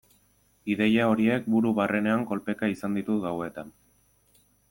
Ideia horiek buru barrenean kolpeka izan ditut gauetan.